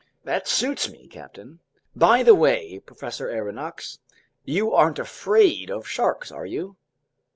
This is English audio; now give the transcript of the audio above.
"That suits me, captain." "By the way, Professor Aronnax, you aren't afraid of sharks, are you?"